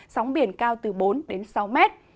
sóng biển cao từ bốn sáu m